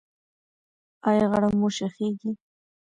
ایا غاړه مو شخیږي؟